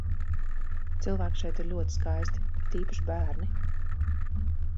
Cilvēki šeit ir ļoti skaisti, it īpaši bērni.